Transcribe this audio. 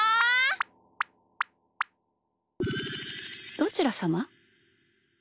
どちらさま？